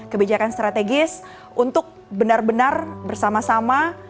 kebijakan strategis untuk benar benar bersama sama